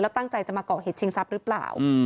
ตั้งใจจะมาก่อเหตุชิงทรัพย์หรือเปล่า